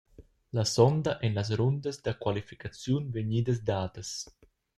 La sonda ein las rundas da qualificaziun vegnidas dadas.